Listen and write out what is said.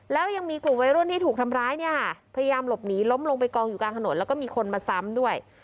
แล้วยังมีกลุ่มวัยรุ่นที่ถูกทำร้ายเนี่ยค่ะพยายามหลบหนีล้มลงไปกองอยู่กลางถนนแล้วก็มีคนมาซ้ำด้วย